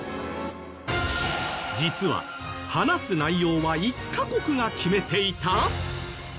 実は話す内容は１カ国が決めていた！？